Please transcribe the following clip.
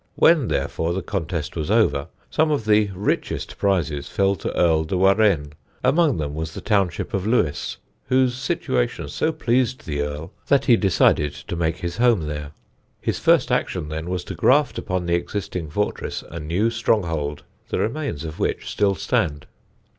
When, therefore, the contest was over, some of the richest prizes fell to Earl de Warenne. Among them was the township of Lewes, whose situation so pleased the Earl that he decided to make his home there. His first action, then, was to graft upon the existing fortress a new stronghold, the remains of which still stand.